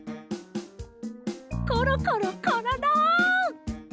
コロコロコロロ！